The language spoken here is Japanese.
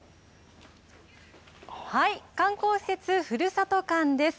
観光施設、ふるさと館です。